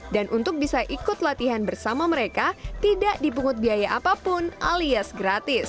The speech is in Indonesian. dan untuk bisa ikut latihan bersama mereka tidak dipungut biaya apapun alias gratis